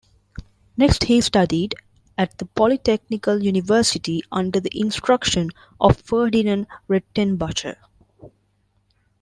Next he studied at the Poly-Technical University under the instruction of Ferdinand Redtenbacher.